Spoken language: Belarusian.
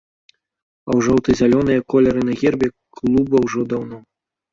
А жоўта-зялёныя колеры на гербе клуба ўжо даўно.